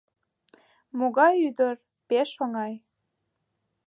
— Могай ӱдыр, пеш оҥай —